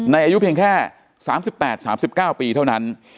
อายุเพียงแค่๓๘๓๙ปีเท่านั้น